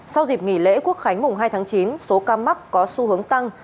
sau dịp nghỉ lễ quốc khánh mùng hai tháng chín số ca mắc có xu hướng tăng